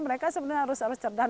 mereka sebenarnya harus cerdas